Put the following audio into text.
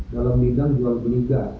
dalam bidang jual beli gas